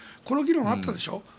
この議論があったでしょ？